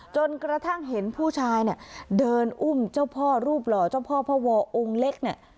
จนกระทั่งเห็นผู้ชายเนี่ยเดินอุ้มเจ้าพ่อรูปหล่อเจ้าพ่อพ่อวอองค์เล็กเนี่ย